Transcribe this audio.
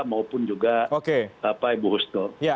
maupun juga bu husnul